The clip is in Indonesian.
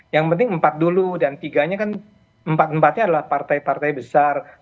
yang penting empat dulu dan tiga nya kan empat empatnya adalah partai partai besar